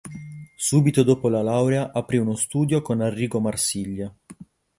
Subito dopo la laurea aprì uno studio con Arrigo Marsiglia.